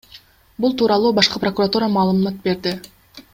Бул тууралуу башкы прокуратура маалымат берди.